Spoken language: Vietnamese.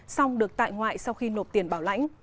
xong được tại ngoại sau khi nộp tiền bảo lãnh